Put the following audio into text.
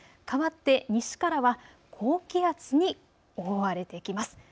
変わって西からは高気圧に覆われてきます。